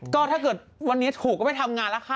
ก็ถ้าเกิดวันนี้ถูกก็ไปทำงานแล้วค่ะ